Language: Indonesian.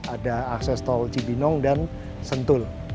ada akses tol cibinong dan sentul